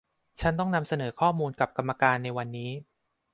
ฉันต้องนำเสนอข้อมูลกับกรรมการในวันนี้